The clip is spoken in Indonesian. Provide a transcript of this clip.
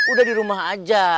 udah di rumah aja